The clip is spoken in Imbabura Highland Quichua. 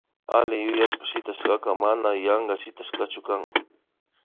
Alli yuyashpa shitaykaka mana yanka shitashka kan